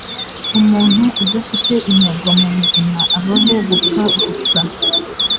Umuntu udafite intego mubuzima, abaho gupfa gusa.